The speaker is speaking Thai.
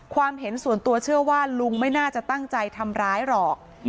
เห็นส่วนตัวเชื่อว่าลุงไม่น่าจะตั้งใจทำร้ายหรอก